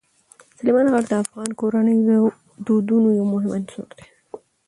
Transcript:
سلیمان غر د افغان کورنیو د دودونو یو مهم عنصر دی.